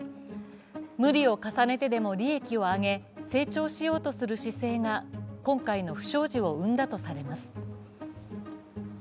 無理を重ねてでも利益を上げ成長しようとする姿勢が今回の不祥事を生んだとされます。